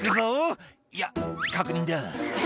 「いや確認だ」